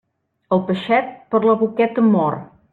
El peixet, per la boqueta mor.